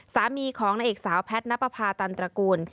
สามีของนักเอกสาวแพทย์นปภาตันตระกูล